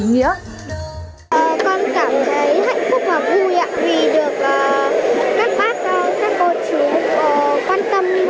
con cảm thấy hạnh phúc và vui vì được các bác các cô chú quan tâm và yêu thương